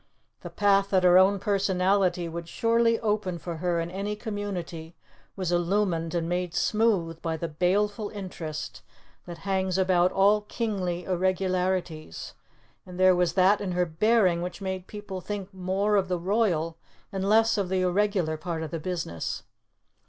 The path that her own personality would surely open for her in any community was illumined and made smooth by the baleful interest that hangs about all kingly irregularities, and there was that in her bearing which made people think more of the royal and less of the irregular part of the business.